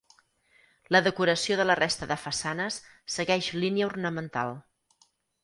La decoració de la resta de façanes segueix línia ornamental.